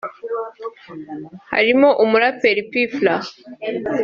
harimo umuraperi P Fla